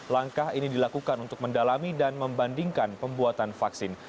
langkah ini dilakukan untuk mendalami dan membandingkan pembuatan vaksin